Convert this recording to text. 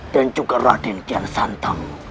dan juga raden gersantang